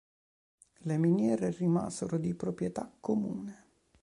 Le miniere rimasero di proprietà comune.